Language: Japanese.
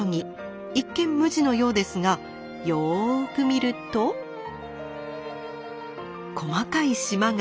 一見無地のようですがよく見ると細かい縞が。